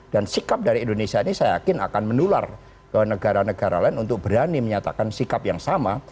dan sikap dari indonesia ini saya yakin akan menular ke negara negara lain untuk berani menyatakan sikap yang sama